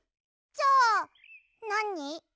じゃあなに？